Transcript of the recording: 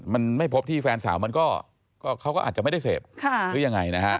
มันไม่พบที่แฟนสาวมันก็เขาก็อาจจะไม่ได้เสพหรือยังไงนะฮะ